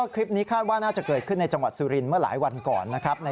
คลิปนี้น่าจะเกิดขึ้นในจังหวัดสุรินเมื่อหลายวันก่อน